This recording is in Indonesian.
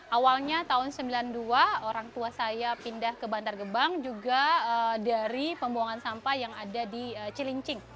awalnya tahun sembilan puluh dua orang tua saya pindah ke bantar gebang juga dari pembuangan sampah yang ada di cilincing